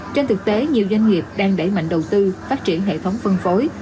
trên thực tế nhiều doanh nghiệp đang đẩy mạnh đầu tư phát triển hệ thống phân phối